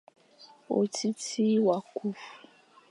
Otiti wa kü,